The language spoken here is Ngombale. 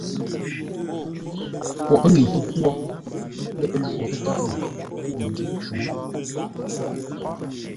Pwoghʼ ŋəi pə́pwó lə́ pə́ jwó pə́ tâʼ ŋuu məngyě shúŋə́.